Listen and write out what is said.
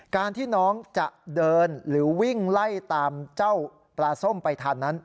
การที่น้องจะเดินหรือวิ่งไล่ตามเจ้าปลาส้มไปทันนั้น